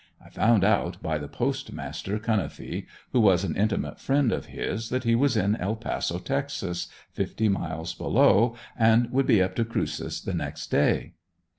I found out by the Postmaster, Cunnifee, who was an intimate friend of his that he was in El Paso, Texas, fifty miles below, and would be up to "Cruces" the next day.